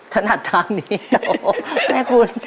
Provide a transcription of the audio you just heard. ถนัดทางนี้แม่คุณ